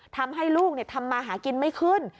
ทำให้ลูกทำมาหากินไม่ขึ้น